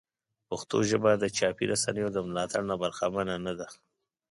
پښتو ژبه د چاپي رسنیو د ملاتړ نه برخمنه نه ده.